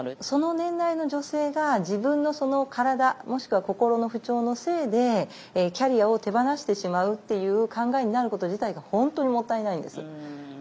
その年代の女性が自分の体もしくは心の不調のせいでキャリアを手放してしまうっていう考えになること自体が本当にもったいないんです。